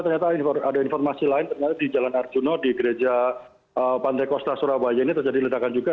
ternyata ada informasi lain ternyata di jalan arjuna di gereja pantai kosta surabaya ini terjadi ledakan juga